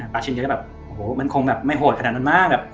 ปาชินก็แบบโอ้โหมันคงไม่โหดขนาดนั้นมาก